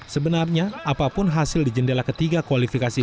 sebenarnya apapun hasil di jendela ketiga kualifikasi